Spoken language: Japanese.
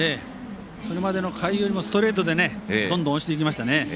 それまでの回よりもストレートでどんどん押していきましたね。